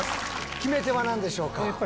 決め手は何でしょうか？